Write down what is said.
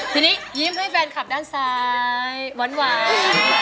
ทีนี้ยิ้มให้แฟนคลับด้านซ้ายหวาน